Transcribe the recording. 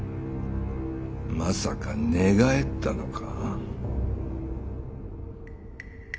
まさか寝返ったのか？